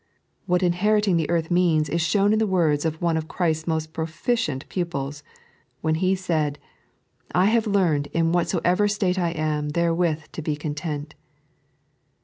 What inheriting the earth means is shown in the words of one of Christ's most proficient pupils, when he said :" I have learned in whatso ever state I am therevrith to be content."